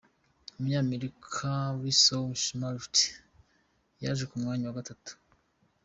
Umunyamerika LaShawn Merrit yaje ku mwanya wa gatatu.